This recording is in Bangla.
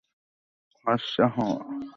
ফরসা হওয়ার একটা ক্রিম তিনি এনডর্স করতেন।